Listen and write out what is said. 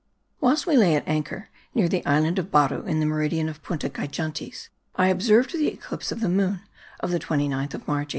Whilst we lay at anchor near the island of Baru in the meridian of Punta Gigantes I observed the eclipse of the moon of the 29th of March, 1801.